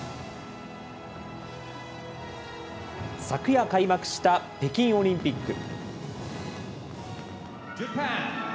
昨夜開幕した北京オリンピック。